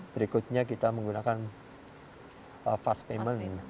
berikutnya kita menggunakan fast payment ini